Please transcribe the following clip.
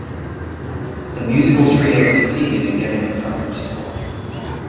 The musical trio succeed in getting the perfect score.